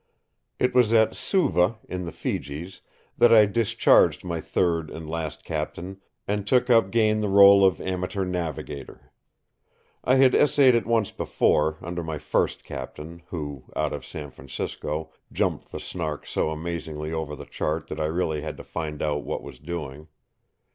It was at Suva, in the Fijis, that I discharged my third and last captain and took up gain the rôle of amateur navigator. I had essayed it once before, under my first captain, who, out of San Francisco, jumped the Snark so amazingly over the chart that I really had to find out what was doing.